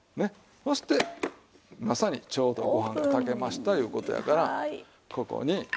そしてまさにちょうどご飯が炊けましたいう事やからここに。